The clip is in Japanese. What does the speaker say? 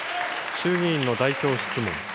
衆議院の代表質問。